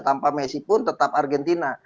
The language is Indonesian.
tanpa messi pun tetap argentina